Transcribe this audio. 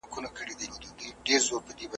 سر پر سر خوراک یې عقل ته تاوان دئ `